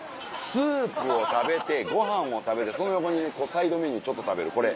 スープを食べてご飯を食べてその横にサイドメニューちょっと食べるこれ。